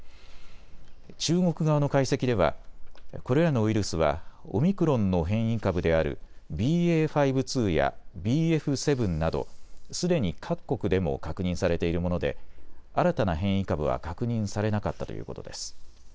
中国側の解析ではこれらのウイルスはオミクロンの変異株であるＢＡ．５．２やＢＦ．７などすでに各国でも確認されているもので新たな変異株は確認されなかったということです。